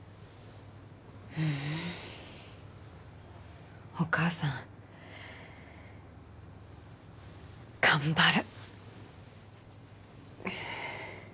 ううんお母さん頑張る！